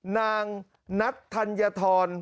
นางนัทธัญฑร